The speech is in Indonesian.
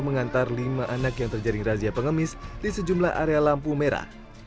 mengantar lima anak yang terjaring razia pengemis di sejumlah area lampu merah